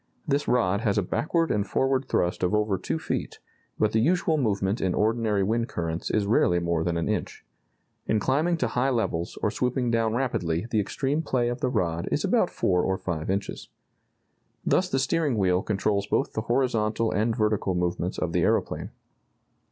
This rod has a backward and forward thrust of over two feet, but the usual movement in ordinary wind currents is rarely more than an inch. In climbing to high levels or swooping down rapidly the extreme play of the rod is about four or five inches. Thus the steering wheel controls both the horizontal and vertical movements of the aeroplane.